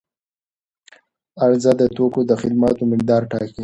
عرضه د توکو او خدماتو مقدار ټاکي.